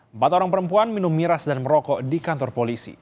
empat orang perempuan minum miras dan merokok di kantor polisi